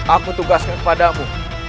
aku tugaskan kepadamu